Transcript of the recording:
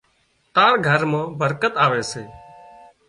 تار گھر مان برڪت آوي سي